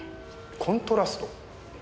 コントラスト？